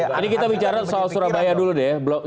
jadi kita bicara soal surabaya dulu deh